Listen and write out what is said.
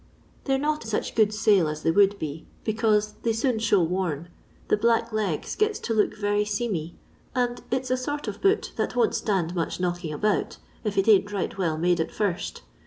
They 're not such good sale as they would be, because they soon diow worn. The black ' legs ' gets to look yery seamy, and it 's a sort of boot that won't stand much knocking about, if it ain't right well made at first.